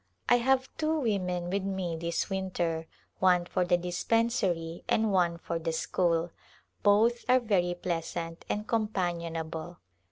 I have two women with me this winter, one for the dispensary and one for the school. Both are very pleasant and companionable.